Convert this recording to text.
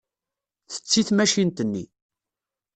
Tetti tmacint-nni.